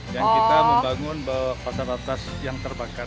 yang kita membangun pasar atas yang terbakar